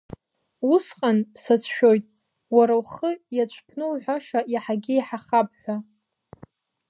Усҟан, сацәшәоит, уара ухы иаҽԥнуҳәаша иаҳагьы еиҳахап ҳәа?